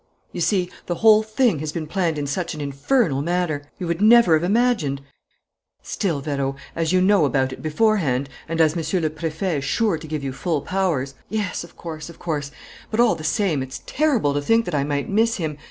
"You see, the whole thing has been planned in such an infernal manner! You would never have imagined " "Still, Vérot, as you know about it beforehand, and as Monsieur le Préfet is sure to give you full powers " "Yes, of course, of course. But, all the same, it's terrible to think that I might miss him.